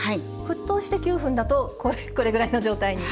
沸騰して９分だとこれぐらいの状態に？